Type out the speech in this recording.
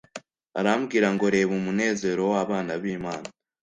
Arambwira ngo “Reba umunezero w’abana b’Imana